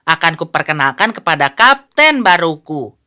akanku perkenalkan kepada kapten baruku